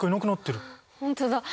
本当だ！